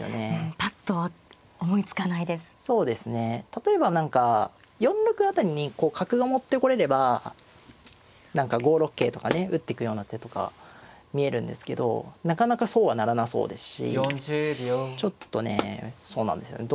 例えば何か４六辺りにこう角が持ってこれれば何か５六桂とかね打っていくような手とか見えるんですけどなかなかそうはならなそうですしちょっとねそうなんですよね。